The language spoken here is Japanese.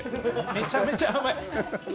めちゃめちゃ甘い。